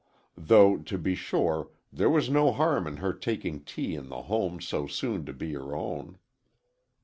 Though, to be sure, there was no harm in her taking tea in the home so soon to be her own.